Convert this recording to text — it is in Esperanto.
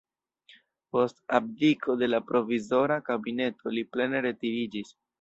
Post abdiko de la provizora kabineto li plene retiriĝis.